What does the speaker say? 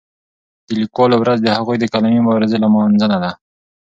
د لیکوالو ورځ د هغوی د قلمي مبارزې لمانځنه ده.